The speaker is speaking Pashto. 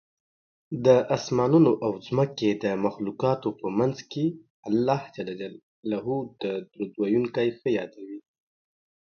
د اسمانونو او ځمکې د مخلوقاتو په منځ کې الله درود ویونکی ښه یادوي